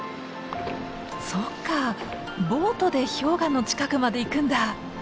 そっかボートで氷河の近くまで行くんだ。